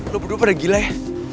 lo berdua pada gila ya